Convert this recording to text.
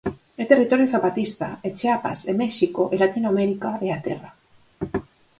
É territorio zapatista, é Chiapas, é México, é Latinoamérica, é a Terra.